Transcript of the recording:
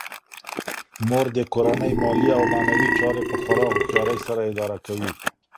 مور د کورنۍ مالي او معنوي چارې په خورا هوښیارۍ سره اداره کوي